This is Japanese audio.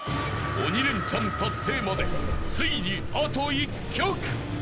［鬼レンチャン達成までついにあと１曲］